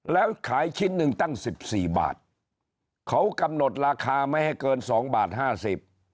แล้วขายชิ้นหนึ่งตั้งสิบสี่บาทเขากำหนดราคาไม่ให้เกินสองบาทห้าสิบ